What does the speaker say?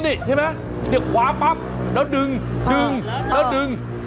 นี่ใช่ไหมเสียบขวาปั๊บแล้วดึงดึงแล้วดึง